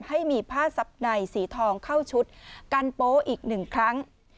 ให้มีผ้าซับในสีทองเข้าชุดกันโป๊อีกหนึ่งครั้ง